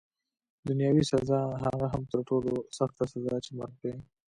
دنیاوي سزا، هغه هم تر ټولو سخته سزا چي مرګ دی.